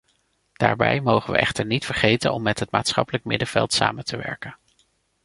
Daarbij mogen we echter niet vergeten om met het maatschappelijk middenveld samen te werken.